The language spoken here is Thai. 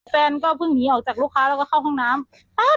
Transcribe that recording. แฟนก็เพิ่งหนีออกจากลูกค้าแล้วก็เข้าห้องน้ำ